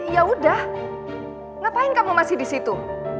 ya udah ngapain kamu masih di situ